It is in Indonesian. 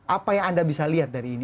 apa yang anda bisa lihat dari ini